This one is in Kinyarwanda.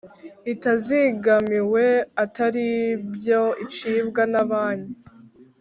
itazigamiwe atari byo icibwa na banki